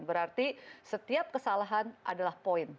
berarti setiap kesalahan adalah poin